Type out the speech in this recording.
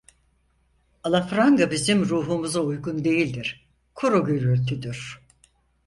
Alafranga bizim ruhumuza uygun değildir, kuru gürültüdür!